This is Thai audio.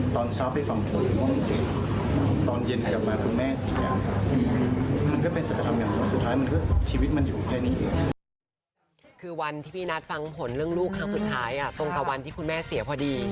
ตอนเช้าไปฟังผลตอนเย็นจับมาคุณแม่เสีย